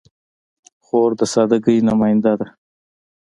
خور د سادګۍ نماینده ده.